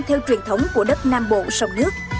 theo truyền thống của đất nam bộ sông nước